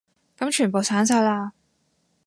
噉全部刪晒啦